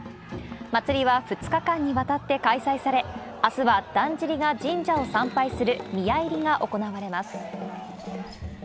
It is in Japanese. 祭は２日間にわたって開催され、あすはだんじりが神社を参拝する宮入が行われます。